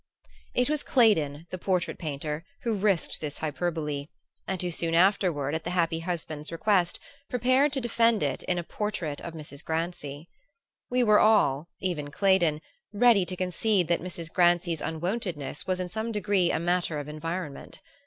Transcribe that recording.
It was Claydon, the portrait painter, who risked this hyperbole; and who soon afterward, at the happy husband's request, prepared to defend it in a portrait of Mrs. Grancy. We were all even Claydon ready to concede that Mrs. Grancy's unwontedness was in some degree a matter of environment.